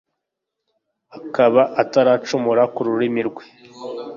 akaba ataracumura ku rurimi rwe